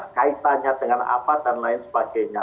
kaitannya dengan apa dan lain sebagainya